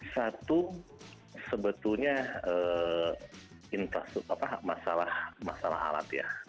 satu sebetulnya masalah alat ya